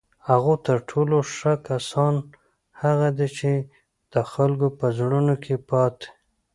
خو تر ټولو ښه کسان هغه دي چی د خلکو په زړونو کې پاتې